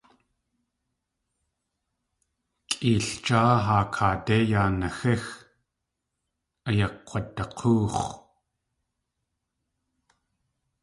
Kʼeeljáa haa kaadé yaa naxíx - ayakk̲wadak̲óox̲.